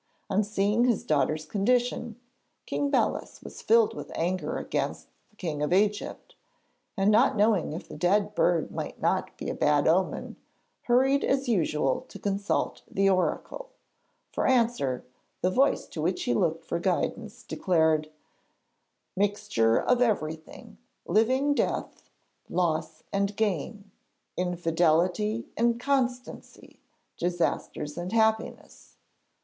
On seeing his daughter's condition, King Belus was filled with anger against the King of Egypt, and, not knowing if the death of the bird might not be a bad omen, hurried as usual to consult the oracle. For answer, the voice to which he looked for guidance, declared: 'Mixture of everything; living death; loss and gain; infidelity and constancy; disasters and happiness.'